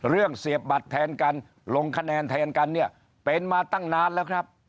เสียบบัตรแทนกันลงคะแนนแทนกันเนี่ยเป็นมาตั้งนานแล้วครับ